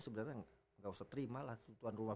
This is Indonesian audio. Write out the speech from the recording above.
sebenarnya nggak usah terima lah tuan rumah